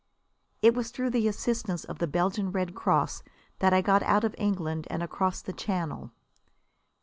It was through the assistance of the Belgian Red Cross that I got out of England and across the Channel.